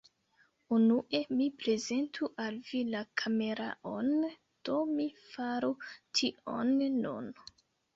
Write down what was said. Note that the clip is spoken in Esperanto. Unue, mi prezentu al vi la kameraon, do mi faru tion nun.